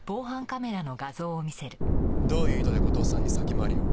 どういう意図で後藤さんに先回りを？